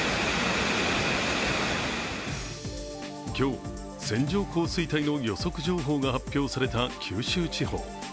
今日、線状降水帯の予測情報が発表された九州地方。